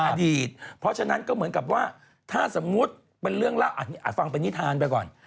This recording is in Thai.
เพราะฉะนั้นก็เหมือนกับว่าถ้าสมมุติเป็นเรื่องเล่าฟังเป็นนิทานไปก่อน